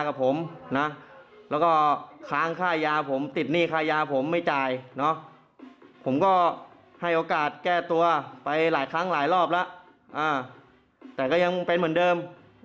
แต่ผมนะแล้วก็ค้างค่ายาผมติดหนี้ค่ายาผมไม่จ่ายเนาะผมก็ให้โอกาสแก้ตัวไปหลายครั้งหลายรอบแล้วแต่ก็ยังเป็นเหมือนเดิม